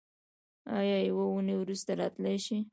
ایا یوه اونۍ وروسته راتلی شئ؟